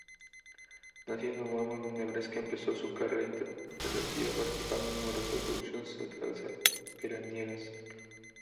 Nacida en Omaha, Nebraska, empezó su carrera interpretativa participando en numerosas producciones teatrales veraniegas.